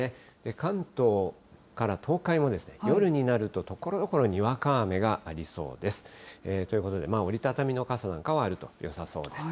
関東から東海も、夜になるとところどころ、にわか雨がありそうです。ということで、折り畳みの傘なんかはあるとよさそうです。